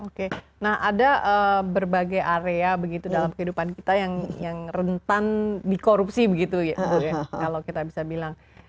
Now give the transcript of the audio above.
oke nah ada berbagai area begitu dalam kehidupan kita yang rentan dikorupsi begitu ya kalau kita bisa bilang